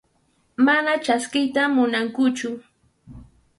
Mana chaskiyta munankuchu.